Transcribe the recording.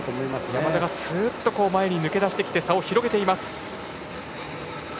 山田が前に抜け出して差を広げています。